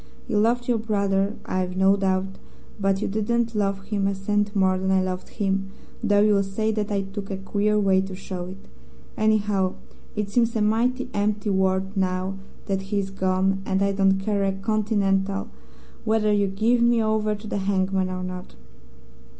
You loved your brother, I've no doubt; but you didn't love him a cent more than I loved him, though you'll say that I took a queer way to show it. Anyhow, it seems a mighty empty world now that he is gone, and I don't care a continental whether you give me over to the hangman or not.'